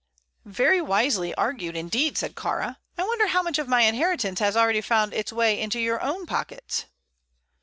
"Very wisely argued, indeed," said Kāra. "I wonder how much of my inheritance has already found its way into your own pockets."